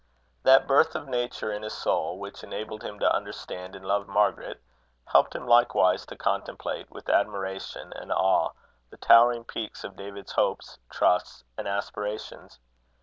That birth of nature in his soul, which enabled him to understand and love Margaret, helped him likewise to contemplate with admiration and awe, the towering peaks of David's hopes, trusts, and aspirations.